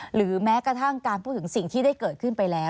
หรือแม้กระทั่งการพูดถึงสิ่งที่ได้เกิดขึ้นไปแล้ว